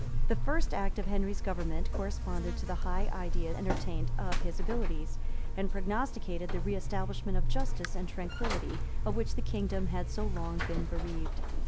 {1155.} The first act of Henry's government corresponded to the high idea entertained of his abilities, and prognosticated the reestablishment of justice and tranquillity, of which the kingdom had so long been bereaved.